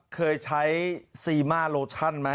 เคยใช้ซีมาโลชั่นไหม